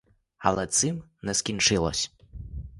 Але цим не скінчилось.